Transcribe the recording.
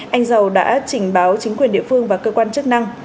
anh dầu đã trình báo chính quyền địa phương và cơ quan chức năng